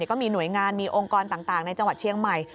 ก็มีหน่วยงานมีองค์กรต่างในจังหวัดเชียงใหม่